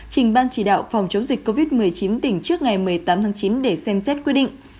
trình ban chỉ đạo phòng chống dịch covid một mươi chín tỉnh trước ngày một mươi tám tháng chín để xem xét quyết định